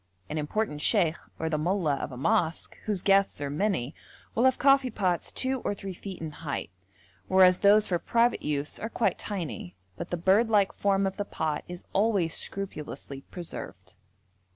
An important sheikh, or the mollah of a mosque, whose guests are many, will have coffee pots two or three feet in height, whereas those for private use are quite tiny, but the bird like form of the pot is always scrupulously preserved.